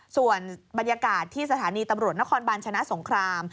ส่วนบรรยากาศที่สถานีตำรวจนครบาลชนะสงคราม